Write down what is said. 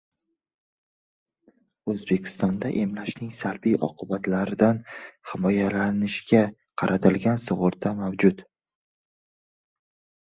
O‘zbekistonda emlashning salbiy oqibatlaridan himoyalanishga qaratilgan sug‘urta mavjud